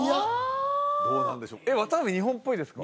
日本っぽいですか？